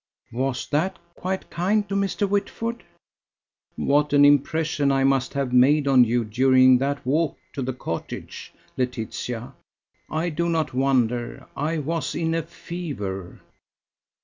"Was that quite kind to Mr. Whitford?" "What an impression I must have made on you during that walk to the cottage, Laetitia! I do not wonder; I was in a fever."